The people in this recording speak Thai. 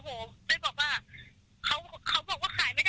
ผมก็เลยถึงบอกตัวเขาบอกว่าขายไม่ได้